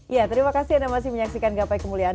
ya terima kasih anda masih menyaksikan gapai kemuliaan